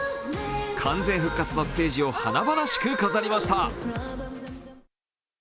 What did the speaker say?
完全復活のステージを華々しく飾りました。